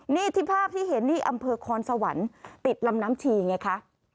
นี่ที่ภาพที่เห็นนี่อำเภอคอนสวรรค์ติดลำน้ำชีไงคะ